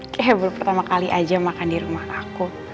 kayaknya baru pertama kali aja makan di rumah aku